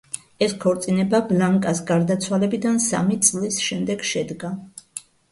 ეს ქორწინება ბლანკას გარდაცვალებიდან სამი წლის შემდეგ შედგა.